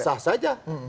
saya pikir sah sah saja